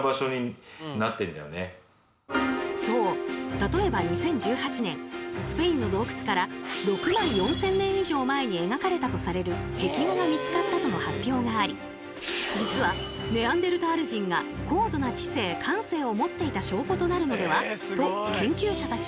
例えば２０１８年スペインの洞窟から６万４，０００年以上前に描かれたとされる壁画が見つかったとの発表があり実はネアンデルタール人が高度な知性・感性を持っていた証拠となるのでは？と研究者たちは騒然。